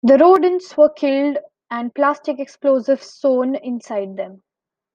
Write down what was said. The rodents were killed and plastic explosives sewn inside them.